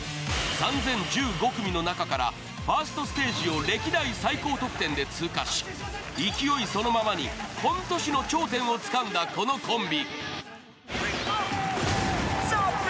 ３０１５組の中からファーストステージを歴代最高得点で通過し、勢いそのままにコント師の頂点をつかんだ、このコンビ。